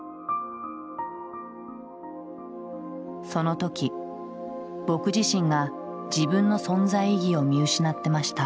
「その時、僕自身が自分の存在意義を見失ってました。